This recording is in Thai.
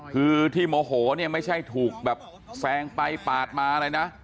คือที่โมโหไม่ใช่ถูกแบบแซงไปปาดมาเลยนะ